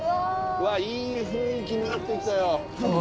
うわっいい雰囲気になってきたよ。